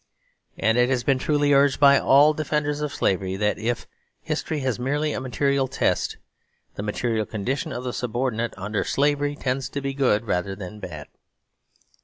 And it has been truly urged by all defenders of slavery that, if history has merely a material test, the material condition of the subordinate under slavery tends to be good rather than bad.